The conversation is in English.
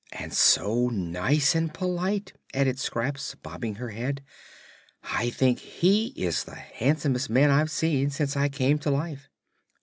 "And so nice and polite," added Scraps, bobbing her head. "I think he is the handsomest man I've seen since I came to life."